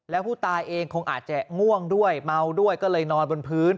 แล้วผู้ตายเองคงอาจจะง่วงด้วยเมาด้วยก็เลยนอนบนพื้น